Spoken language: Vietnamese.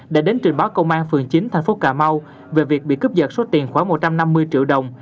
đã đến trình báo công an phường chín thành phố cà mau về việc bị cướp giật số tiền khoảng một trăm năm mươi triệu đồng